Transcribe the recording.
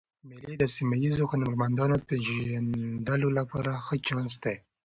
مېلې د سیمه ییزو هنرمندانو د پېژندلو له پاره ښه چانس دئ.